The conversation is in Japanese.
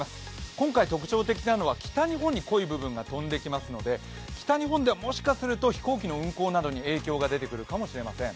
今回特徴的なのは北日本に濃い部分が飛んできますので北日本ではもしかすると飛行機の運航などに影響が出てくるかもしれません。